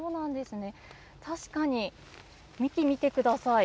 確かに幹、見てください。